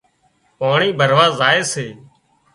پاڻي ڀراوا زائي سي